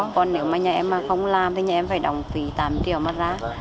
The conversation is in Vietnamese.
còn nếu mà nhà em mà không làm thì nhà em phải đóng phí tám triệu mà ra